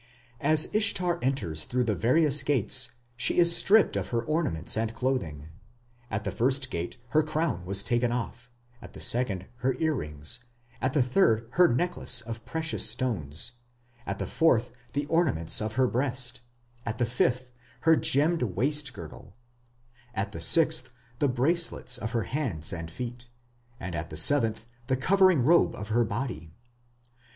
As Ishtar enters through the various gates she is stripped of her ornaments and clothing. At the first gate her crown was taken off, at the second her ear rings, at the third her necklace of precious stones, at the fourth the ornaments of her breast, at the fifth her gemmed waist girdle, at the sixth the bracelets of her hands and feet, and at the seventh the covering robe of her body.